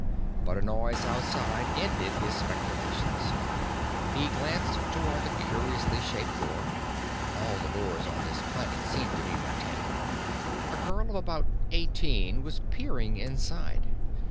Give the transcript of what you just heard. But a noise outside ended his speculations. He glanced toward the curiously shaped door—all the doors on this planet seemed to be rectangular. A girl of about eighteen was peering inside.